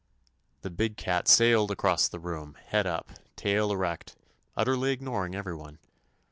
The big cat sailed across the room, head up, tail erect, utterly ignoring everyone.